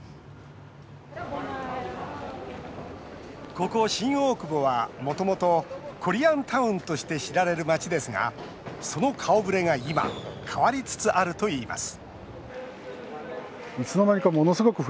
ここ新大久保は、もともとコリアンタウンとして知られる街ですがその顔ぶれが今変わりつつあるといいます